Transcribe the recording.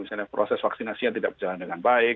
misalnya proses vaksinasi yang tidak berjalan dengan baik